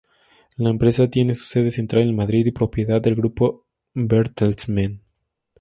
La empresa tiene su sede central en Madrid y propiedad del grupo Bertelsmann.